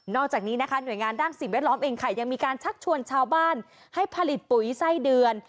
อกจากนี้นะคะหน่วยงานด้านสิ่งแวดล้อมเองค่ะยังมีการชักชวนชาวบ้านให้ผลิตปุ๋ยไส้เดือน